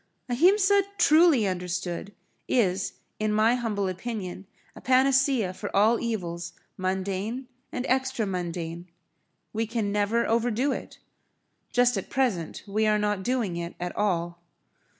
Ahimsa truly understood is in my humble opinion a panacea for all evils mundane and extra mundane. We can never overdo it. Just at present we are not doing it at all.